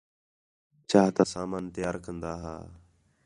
چاہ تا سامان تیار کندا ہا